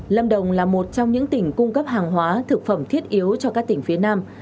lâm đồng là một trong những tỉnh cung cấp hàng hóa thực phẩm thiết yếu cho các tỉnh phía nam